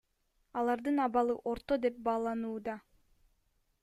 Алардын абалы орто деп бааланууда.